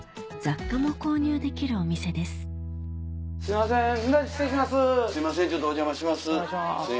すいませんちょっとお邪魔します。